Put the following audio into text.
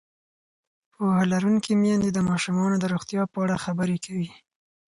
پوهه لرونکې میندې د ماشومانو د روغتیا په اړه خبرې کوي.